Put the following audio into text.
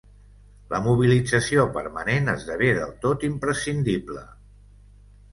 La mobilització permanent esdevé del tot imprescindible.